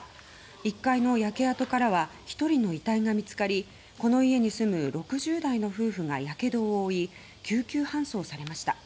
１階の焼け跡からは１人の遺体が見つかりこの家に住む６０代の夫婦がやけどを負い救急搬送されました。